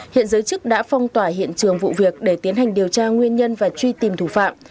hiện giới chức đã phong tỏa hiện trường vụ việc để tiến hành điều tra nguyên nhân và truy tìm thủ phạm